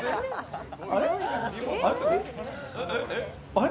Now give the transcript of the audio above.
あれ？